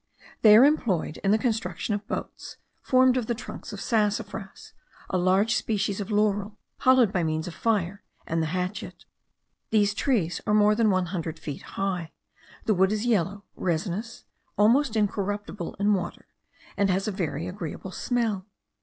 They are employed in the construction of boats, formed of the trunks of sassafras, a large species of laurel, hollowed by means of fire and the hatchet. These trees are more than one hundred feet high; the wood is yellow, resinous, almost incorruptible in water, and has a very agreeable smell.